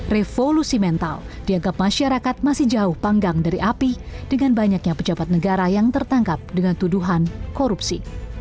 revolusi mental dianggap masyarakat masih jauh panggang dari api dengan banyaknya pejabat negara yang tertangkap dengan tuduhan korupsi